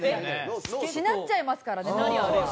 しなっちゃいますからねノートは。